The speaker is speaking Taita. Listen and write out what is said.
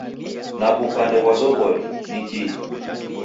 Na w'upande ghwa zoghori, ni kihi?